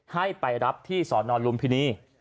ให้ไปรับที่สอนอนลุมพินี